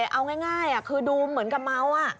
เอาง่ายคือดูเหมือนกับเมา